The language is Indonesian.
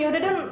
eh ya udah don